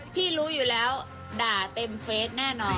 พี่รู้อยู่แล้วด่าเต็มเฟสแน่นอน